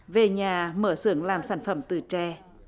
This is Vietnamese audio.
về nhà mở xưởng làm sản phẩm từ tre